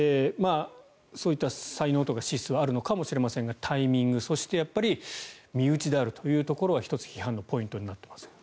そういった才能とか資質はあるのかもしれませんがタイミングそして、やっぱり身内であるということが１つ批判のポイントになっています。